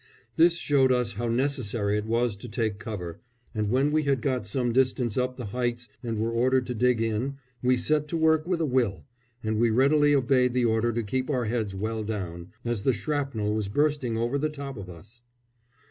This showed us how necessary it was to take cover, and when we had got some distance up the heights and were ordered to dig in, we set to work with a will, and we readily obeyed the order to keep our heads well down, as the shrapnel was bursting over the top of us.